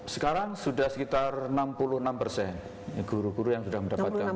sekarang sudah sekitar enam puluh enam persen guru guru yang sudah mendapatkan